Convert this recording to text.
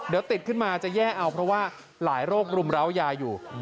เดี๋ยวติดขึ้นมาจะแย่เอาเพราะว่าหลายโรครุมร้าวยาอยู่